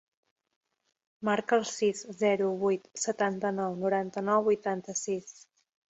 Marca el sis, zero, vuit, setanta-nou, noranta-nou, vuitanta-sis.